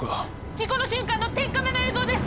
事故の瞬間の天カメの映像です。